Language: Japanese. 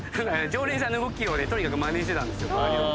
「常連さんの動きをとにかくまねしてたんですよ」